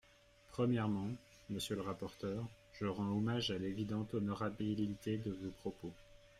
Premièrement, monsieur le rapporteur, je rends hommage à l’évidente honorabilité de vos propos.